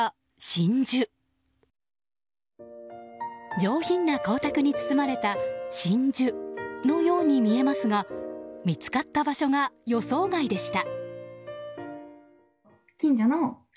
上品な光沢に包まれた真珠のように見えますが見つかった場所が予想外でした。